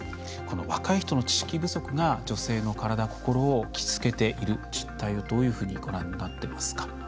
若い人の知識不足が女性の体、心を傷つけている実態をどういうふうにご覧になっていますか。